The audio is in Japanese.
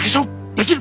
できる。